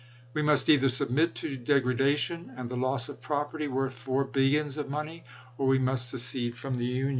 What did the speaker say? "We must either submit to degradation, and the loss of property worth four billions of money, or we must secede from the Union.